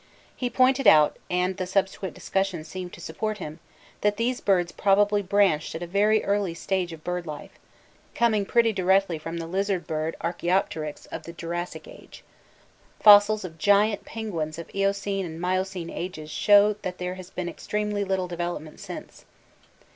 He pointed out (and the subsequent discussion seemed to support him) that these birds probably branched at a very early stage of bird life coming pretty directly from the lizard bird Archaeopteryx of the Jurassic age. Fossils of giant penguins of Eocene and Miocene ages show that there has been extremely little development since.